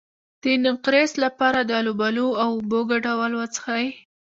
د نقرس لپاره د الوبالو او اوبو ګډول وڅښئ